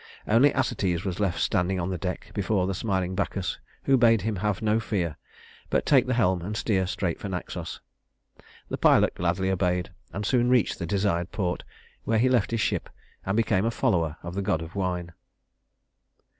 Only Acetes was left standing on the deck before the smiling Bacchus, who bade him have no fear, but take the helm and steer straight for Naxos. The pilot gladly obeyed, and soon reached the desired port, where he left his ship and became a follower of the god of wine.